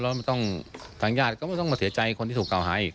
แล้วมันต้องทางญาติก็ไม่ต้องมาเสียใจคนที่ถูกกล่าวหาอีก